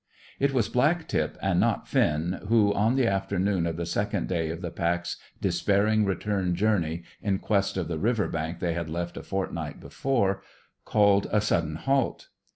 It was Black tip, and not Finn, who, on the afternoon of the second day of the pack's despairing return journey in quest of the river bank they had left a fortnight before, called a sudden halt.